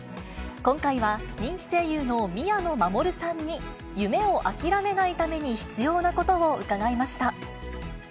今回は人気声優の宮野真守さんに夢を諦めないために必要なことを伺いました。